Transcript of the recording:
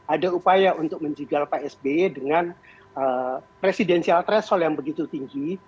ada upaya untuk menjigal psb dengan presidensial threshold yang begitu tinggi